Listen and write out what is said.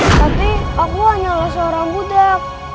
tapi aku hanyalah seorang budak